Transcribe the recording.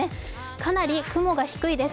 かなり雲が低いです。